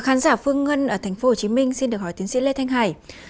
khán giả phương ngân ở tp hcm xin được hỏi tiến sĩ lê thanh hải